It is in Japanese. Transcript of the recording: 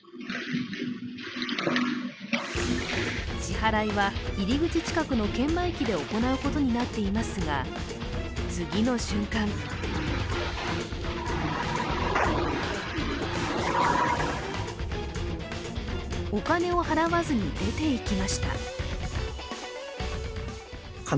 支払いは入り口近くの券売機で行うことになっていますが次の瞬間お金を払わずに出ていきました。